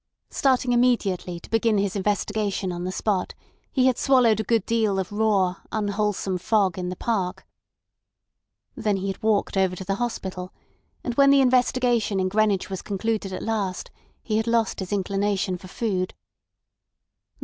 Starting immediately to begin his investigation on the spot, he had swallowed a good deal of raw, unwholesome fog in the park. Then he had walked over to the hospital; and when the investigation in Greenwich was concluded at last he had lost his inclination for food.